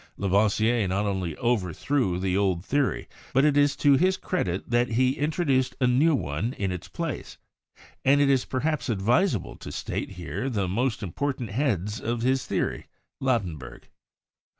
Lavoisier not only overthrew the old theory, but it is to his credit that he introduced a new one in its place, and it is perhaps advisable to state here the most important heads of his theory (Ladenburg) : r.